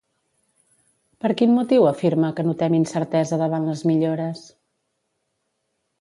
Per quin motiu afirma que notem incertesa davant les millores?